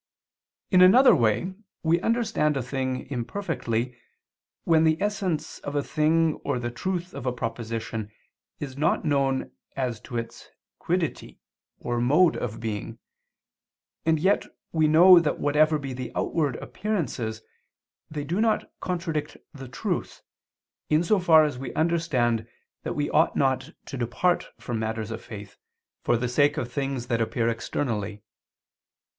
In another way we understand a thing imperfectly, when the essence of a thing or the truth of a proposition is not known as to its quiddity or mode of being, and yet we know that whatever be the outward appearances, they do not contradict the truth, in so far as we understand that we ought not to depart from matters of faith, for the sake of things that appear externally.